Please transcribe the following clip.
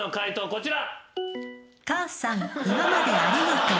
こちら。